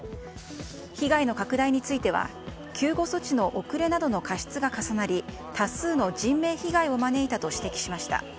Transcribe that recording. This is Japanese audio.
被害の拡大については救護措置の遅れなどの過失が重なり多数の人命被害を招いたと指摘しました。